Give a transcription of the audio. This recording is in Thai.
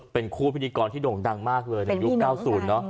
เป็นคู่พิธีกรที่โด่งดังมากเลยในยุค๙๐เนอะ